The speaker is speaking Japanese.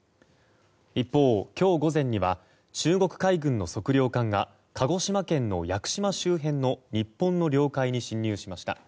一方、今日午前には中国海軍の測量艦が鹿児島県の屋久島周辺の日本の領海に侵入しました。